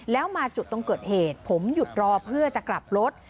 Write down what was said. แล้วมาจุดตรงเกิดเหตุผมหยุดรอเพื่อจะกลับรถ